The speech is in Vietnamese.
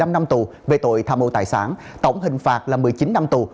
một mươi năm năm tù về tội tham mô tài sản tổng hình phạt là một mươi chín năm tù